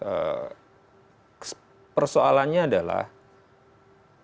pemerintahan itu kalau kita mencari kepercayaan kita harus mencari kepercayaan